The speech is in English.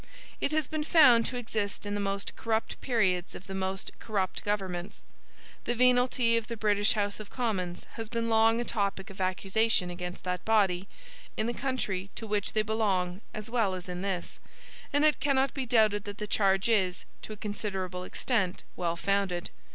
It has been found to exist in the most corrupt periods of the most corrupt governments. The venalty of the British House of Commons has been long a topic of accusation against that body, in the country to which they belong as well as in this; and it cannot be doubted that the charge is, to a considerable extent, well founded.